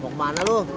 mau kemana lu